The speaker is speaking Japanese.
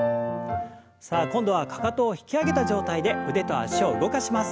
さあ今度はかかとを引き上げた状態で腕と脚を動かします。